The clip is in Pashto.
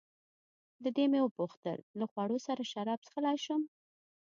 له دې مې وپوښتل: له خوړو سره شراب څښلای شم؟